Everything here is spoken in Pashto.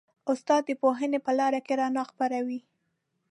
استاد د پوهنې په لاره کې رڼا خپروي.